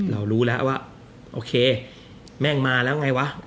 เรารู้แล้วว่าโอเคแม่งมาแล้วไงวะ